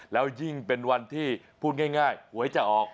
แล้วยิ่งเป็นวันที่พูดง่ายหวยจะออก